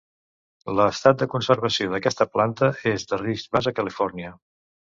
L'estat de conservació d'aquesta planta és de risc baix a Califòrnia.